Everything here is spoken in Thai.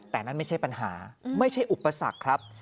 แต่นั่นไม่ใช่ปัญหาไม่ใช่อุปสรรคครับ